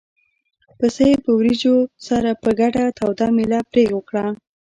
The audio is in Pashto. پسه یې په وریجو سره په ګډه توده مېله پرې وکړه.